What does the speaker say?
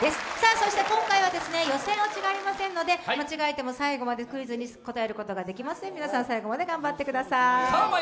そして、今回は予選落ちがありませんので間違えても最後までクイズに答えることができますので皆さん最後まで頑張ってください。